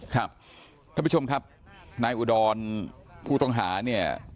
ท่านผู้ชมครับนายอุดรผู้ต้องหาเนี่ย